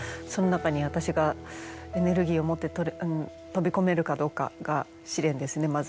その中に私がエネルギーを持って飛び込めるかどうかが試練ですね